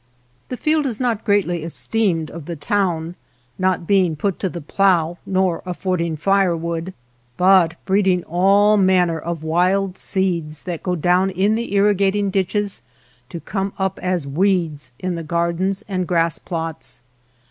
The field is not greatly esteemed of the town, not being put to the plough nor af fording firewood, but breeding all manner 125 MY NEIGHBORS FIELD of wild seeds that go down in the irrigating ditches to come up as weeds in the gar dens and grass plots.